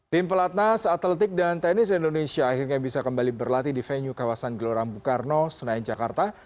tim pelatnas atletik dan tenis indonesia akhirnya bisa kembali berlatih di venue kawasan gelora bung karno senayan jakarta